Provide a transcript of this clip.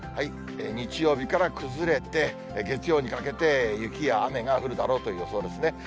日曜日から崩れて、月曜にかけて、雪や雨が降るだろうという予想ですね。